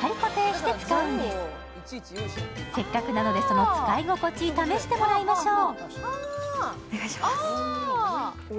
せっかくなので、その使い心地試してもらいましょう。